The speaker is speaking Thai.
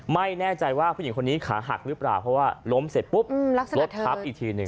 ไม่แน่ใจว่าผู้หญิงคนนี้ขาหักหรือเปล่าเพราะว่าล้มเสร็จปุ๊บรถทับอีกทีหนึ่ง